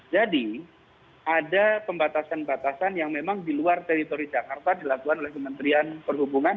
jadi ada pembatasan batasan yang memang di luar teritori jakarta dilakukan oleh kementerian perhubungan